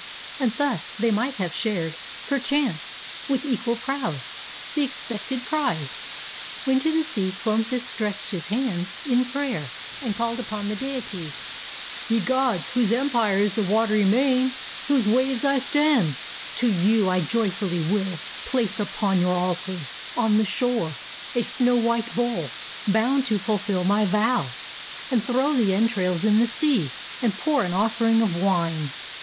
And thus they might have shared, Perchance, with equal prows, the expected prize; When to the sea Cloanthus stretched his hands In prayer, and called upon the deities :— "Ye gods, whose empire is the watery main, Whose waves I stem, to you I joyfully Will place upon your altars, on the shore, A snow white bull, bound to fulfill my vow, And throw the entrails in the sea, and pour An offering of wine."